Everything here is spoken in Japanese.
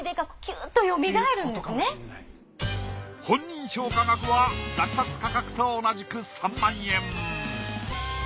本人評価額は落札価格と同じく３万円。